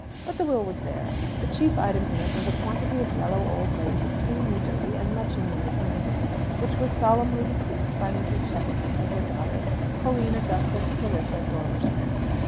But the will was there. The chief item in it was a quantity of yellow old lace, extremely dirty, and much in need of mending, which was solemnly bequeathed by Mrs. Cheffington to her daughter, Pauline Augusta Clarissa Dormer Smith.